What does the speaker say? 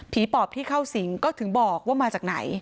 ปอบที่เข้าสิงก็ถึงบอกว่ามาจากไหน